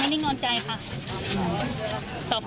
และมีความหวาดกลัวออกมา